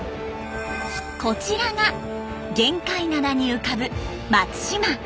こちらが玄界灘に浮かぶ松島。